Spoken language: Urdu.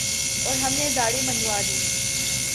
اور ہم نے دھاڑی منڈوادی ۔